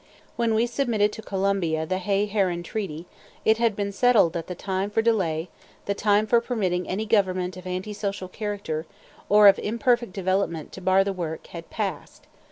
When we submitted to Colombia the Hay Herran Treaty, it had been settled that the time for delay, the time for permitting any government of anti social character, or of imperfect development, to bar the work, had passed.